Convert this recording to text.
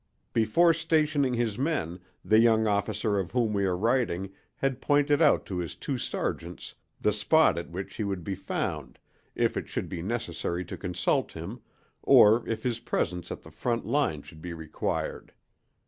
Before stationing his men the young officer of whom we are writing had pointed out to his two sergeants the spot at which he would be found if it should be necessary to consult him, or if his presence at the front line should be required.